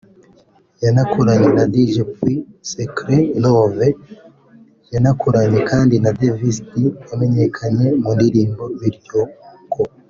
yanakoranye na Dj Pius “Secret Love” yanakoranye kandi na Davis D wamenyekanye mu ndirimbo “Biryongo”